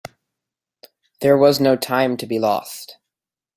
There was no time to be lost.